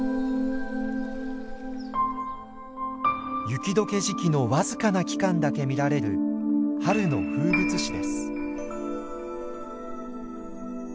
雪解け時期の僅かな期間だけ見られる春の風物詩です。